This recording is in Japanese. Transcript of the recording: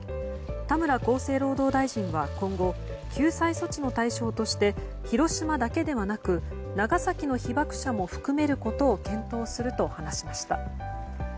田村厚生労働大臣は今後、救済措置の対象として広島だけではなく長崎の被爆者も含めることも検討すると話しました。